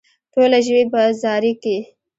ټوله ژوي په زاري کې.